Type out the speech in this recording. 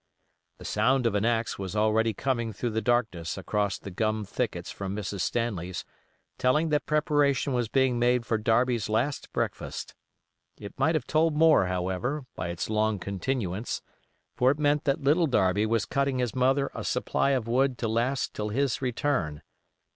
The sound of an axe was already coming through the darkness across the gum thickets from Mrs. Stanley's, telling that preparation was being made for Darby's last breakfast. It might have told more, however, by its long continuance; for it meant that Little Darby was cutting his mother a supply of wood to last till his return.